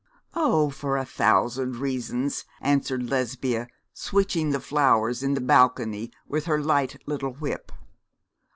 'Oh, for a thousand reasons,' answered Lesbia, switching the flowers in the balcony with her light little whip.